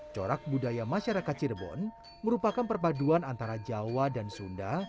corak budaya masyarakat cirebon merupakan perpaduan antara jawa dan sunda